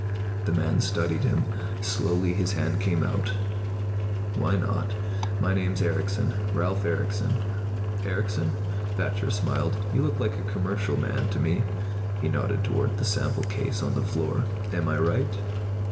The man studied him. Slowly his hand came out. "Why not? My name's Erickson. Ralf Erickson." "Erickson?" Thacher smiled. "You look like a commercial man, to me." He nodded toward the sample case on the floor. "Am I right?"